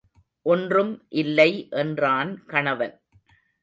ஒன்றும் இல்லை என்றான் கணவன்.